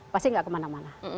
pasti nggak kemana mana